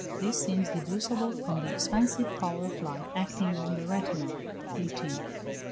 This seems deducible from the expansive power of light acting on the retina (18). 419.